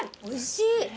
おいしい！